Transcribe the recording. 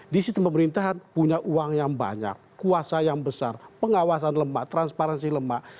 di sistem pemerintahan punya uang yang banyak kuasa yang besar pengawasan lemak transparansi lemak